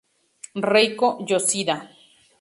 Reiko Yoshida